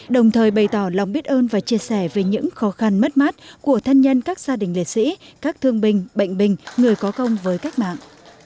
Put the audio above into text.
đồng thời bày tỏ lòng biết ơn và chia sẻ về những khó khăn mất mát của thân nhân các gia đình liệt sĩ các thương binh bệnh binh người có công với cách mạng